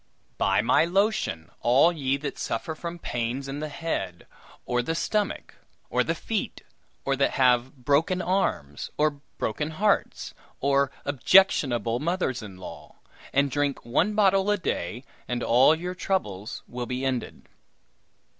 "Buy my lotion, all ye that suffer from pains in the head, or the stomach, or the feet, or that have broken arms, or broken hearts, or objectionable mothers in law; and drink one bottle a day, and all your troubles will be ended."